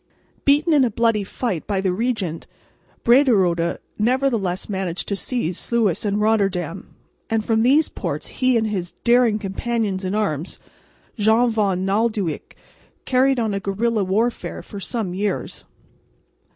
Beaten in a bloody fight by the regent, Brederode nevertheless managed to seize Sluis and Rotterdam; and from these ports he and his daring companion in arms, Jan van Naaldwijk, carried on a guerrilla warfare for some years.